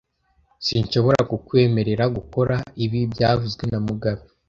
Sinshobora kukwemerera gukora ibi byavuzwe na mugabe